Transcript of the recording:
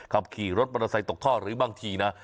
ขับขี่รถบันไดใสตกท่อหรือบางทีนะ